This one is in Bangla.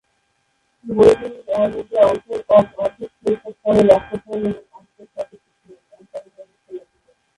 গোলকৃমিজ রোগে অন্ত্রের অধঃশ্লেষ্মাস্তরে রক্তক্ষরণ এবং অন্ত্রে ক্ষত সৃষ্টি হয়।